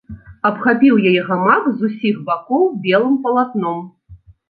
Абхапіў яе гамак з усіх бакоў белым палатном.